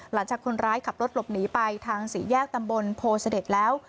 หลังจากคนร้ายขับรถหลบหนีไปทางสี่แยกตำบลโพเสด็จแล้ว